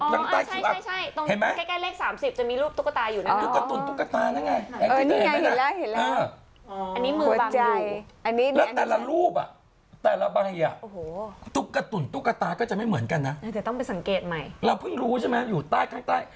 เราเพิ่งรู้ใช่ไหมอยู่ใต้ข้าง